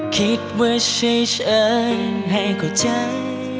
คิดว่าเฉยให้เข้าใจ